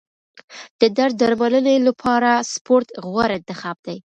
د درد درملنې لپاره سپورت غوره انتخاب دی.